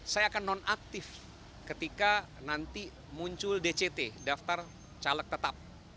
saya akan nonaktif ketika nanti muncul dct daftar calek tetap